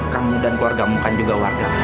kamu dan keluargamu kan juga warga mas juga